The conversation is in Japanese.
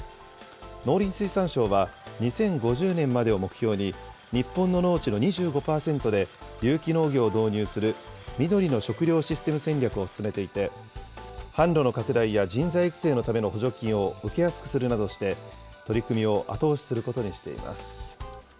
農林水産省は、２０５０年までを目標に、日本の農地の２５％で有機農業を導入するみどりの食料システム戦略を進めていて、販路の拡大や人材育成のための補助金を受けやすくするなどして、取り組みを後押しすることにしています。